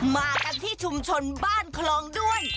มากันที่ชุมชนบ้านคลองด้วย